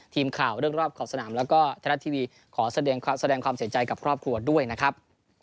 ทีมข่าวเรื่องรอบขอบสนามแล้วก็ไทยรัฐทีวีขอแสดงความเสียใจกับครอบครัวด้วยนะครับ